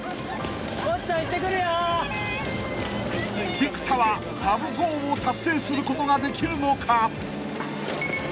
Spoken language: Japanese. ［菊田はサブ４を達成することができるのか？］